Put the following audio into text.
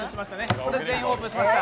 これで全員オープンしました。